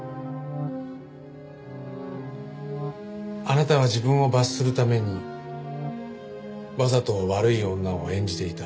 あなたは自分を罰するためにわざと悪い女を演じていた。